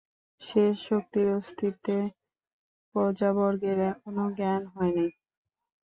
সে শক্তির অস্তিত্বে প্রজাবর্গের এখনও জ্ঞান হয় নাই।